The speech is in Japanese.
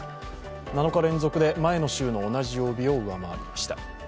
７日連続で前の週の同じ曜日を上回りました。